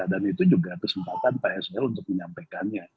dan itu juga kesempatan pak sel untuk menyampaikannya